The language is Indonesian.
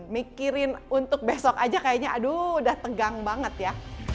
mikirin untuk besok aja kayaknya aduh udah tegang banget ya